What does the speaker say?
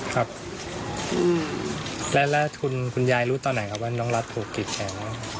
ครับแล้วคุณยายรู้ตอนไหนครับว่าน้องรัฐถูกติดแข็ง